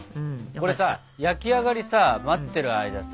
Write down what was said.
これさ焼き上がりさ待ってる間さ